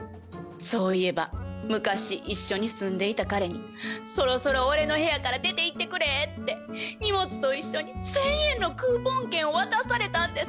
そういえば昔一緒に住んでいた彼に「そろそろ俺の部屋から出ていってくれ」って荷物と一緒に１，０００円のクーポン券を渡されたんです。